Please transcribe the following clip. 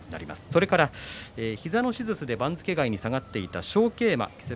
それから膝の手術で番付外に下がっていた勝桂馬木瀬